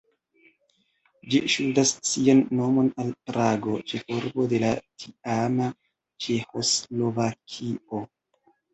Ĝi ŝuldas sian nomon al Prago, ĉefurbo de la tiama Ĉeĥoslovakio.